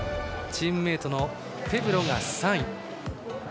チームメートのフェブロが３位。